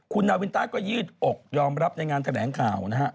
คุณนาวินต้าก็ยืดอกยอมรับในงานแถลงข่าวนะฮะ